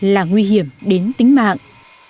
là nguy hiểm đến tính mạng